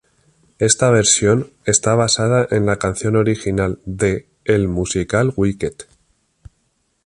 Esta versión está basada en la canción original de el musical Wicked.